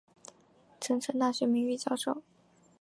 成城大学名誉教授。